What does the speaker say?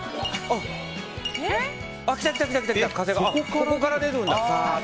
ここから出るんだ。